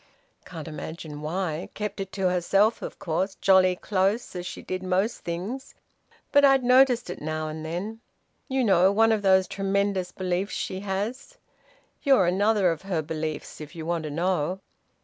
Can't imagine why! Kept it to herself of course, jolly close, as she did most things, but I'd noticed it now and then. You know one of those tremendous beliefs she has. You're another of her beliefs, if you want to know."